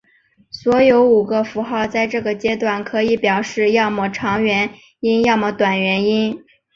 所有五个符号在这个阶段可以表示要么长元音要么短元音。